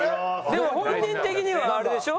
でも本人的にはあれでしょ？